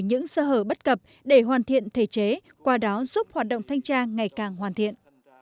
những sơ hở bất cập để hoàn thiện thể chế qua đó giúp hoạt động thanh tra ngày càng hoàn thiện